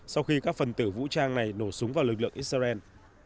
sau khi các phần tử vũ trang này nổ súng vào lực lượng israel